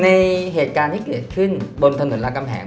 เหตุการณ์ที่เกิดขึ้นบนถนนรากำแหง